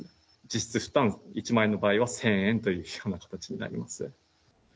実質負担１万円の場合は、１０００円という形になります。